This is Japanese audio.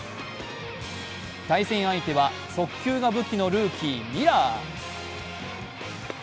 対戦相手は速球が武器のルーキー・ミラー。